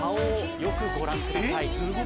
よくご覧ください。